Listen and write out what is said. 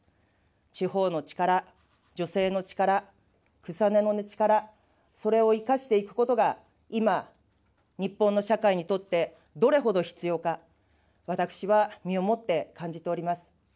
地方の力、女性の力、草の根の力、それを生かしていくことが、今、日本の社会にとってどれほど必要か、私は身をもって感じております。